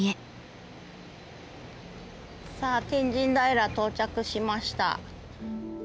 さあ天神平到着しました。